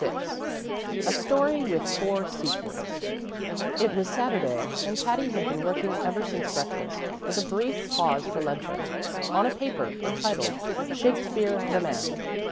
VI A Story with Four Sequels It was Saturday, and Patty had been working ever since breakfast, with a brief pause for luncheon, on a paper entitled "Shakspere, the Man."